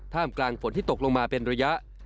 กลางฝนที่ตกลงมาเป็นระยะ